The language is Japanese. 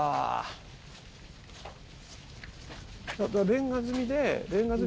レンガ積みで。